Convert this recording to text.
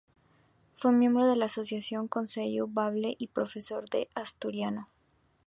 Fue miembro de la asociación Conceyu Bable y profesor de asturiano.